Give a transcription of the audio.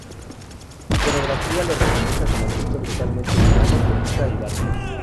Su iconografía lo representa con aspecto totalmente humano, peluca y barba.